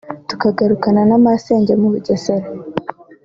tukagarukana na masenge mu Bugesera